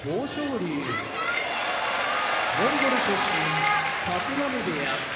龍モンゴル出身立浪部屋